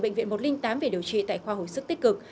bệnh viện một trăm linh tám về điều trị tại khoa hồi sức tích cực